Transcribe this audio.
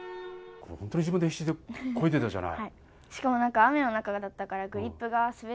本当に自分で必死にこいでたはい。